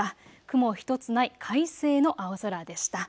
雲１つない快晴の青空でした。